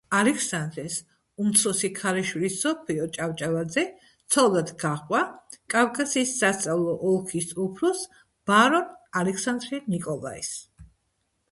ალექსანდრეს უმცროსი ქალიშვილი სოფიო ჭავჭავაძე ცოლად გაჰყვა კავკასიის სასწავლო ოლქის უფროსს ბარონ ალექსანდრე ნიკოლაის.